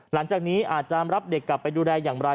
หลังจากนี้อาจจะรับเด็กกลับไปดูแลอย่างไร